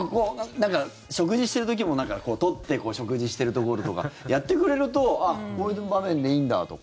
何か食事する時も取って食事してるところとかやってくれるとああ、こういう場面でいいんだとか。